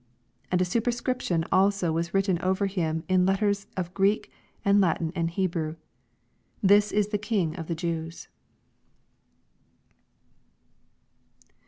88 And a superscription also was written over him in letters of Greek, and Latin, and Hebrew, THIS IS THE KING OF THE JEWS.